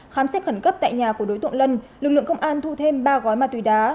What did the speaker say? khám xét khẩn cấp tại nhà của đối tượng lân lực lượng công an thu thêm ba gói ma túy đá